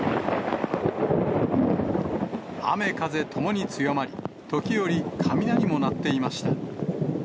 雨風ともに強まり、時折、雷も鳴っていました。